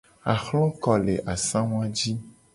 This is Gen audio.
Ahloko le asangu a ji.